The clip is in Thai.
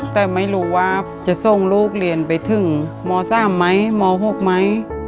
แต่ไม่รู้ว่าจะส่งลูกเรียนไปถึงม๓ไหมม๖ไหม